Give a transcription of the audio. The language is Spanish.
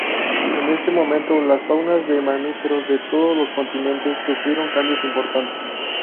En este momento, las faunas de mamíferos de todos los continentes sufrieron cambios importantes.